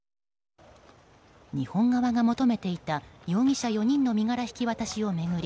日本側が求めていた容疑者４人の身柄引き渡しを巡り